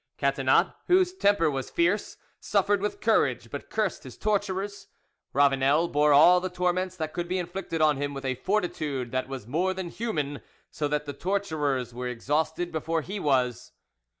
Catinat, whose temper was fierce, suffered with courage, but cursed his torturers. Ravanel bore all the torments that could be inflicted on him with a fortitude that was more than human, so that the torturers were exhausted before he was.